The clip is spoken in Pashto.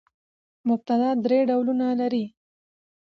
مبتداء درې ډولونه لري.